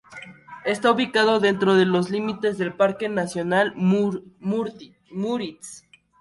Está ubicado dentro de los límites del Parque nacional Müritz.